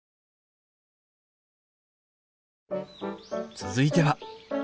続いては。